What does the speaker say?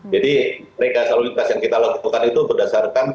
jadi reka salur lintas yang kita lakukan itu berdasarkan